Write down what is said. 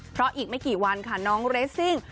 เพราะอีกไม่กี่วันค่ะน้องเรสซิ่ง